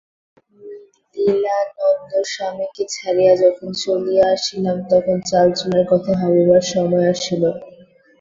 লীলানন্দস্বামীকে ছাড়িয়া যখন চলিয়া আসিলাম তখন চালচুলার কথা ভাবিবার সময় আসিল।